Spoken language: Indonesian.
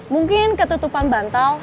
mungkin ketutupan bantal